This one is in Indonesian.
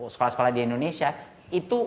sekolah sekolah di indonesia itu